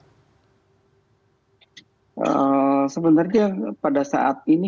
sebenarnya pada saat ini